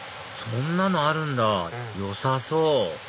そんなのあるんだよさそう！